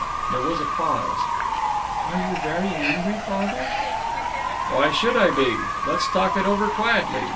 There was a pause. "Are you very angry, father?" "Why should I be? Let's talk it over quietly.